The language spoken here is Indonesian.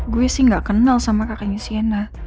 gue sih gak kenal sama kakaknya siena